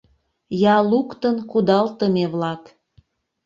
Я луктын кудалтыме-влак